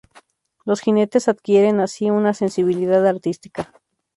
Los jinetes adquieren así una sensibilidad artística.